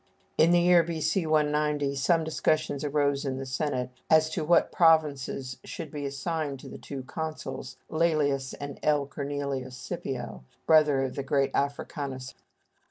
In the year B.C. 190, some discussions arose in the Senate as to what provinces should be assigned to the two consuls, Lælius and L. Cornelius Scipio, brother of the great Africanus.